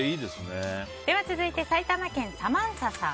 続いて、埼玉県の方。